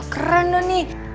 keren tuh nih